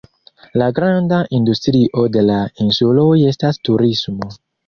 La granda industrio de la insuloj estas turismo.